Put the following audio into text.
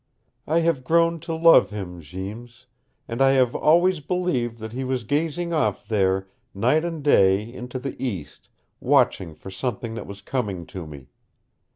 "I have grown to love him, Jeems. And I have always believed that he was gazing off there, night and day, into the east, watching for something that was coming to me.